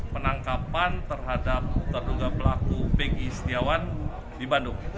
penangkapan terhadap terduga pelaku pegi setiawan di bandung